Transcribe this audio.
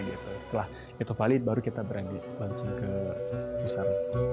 setelah itu valid baru kita beranji ke pusat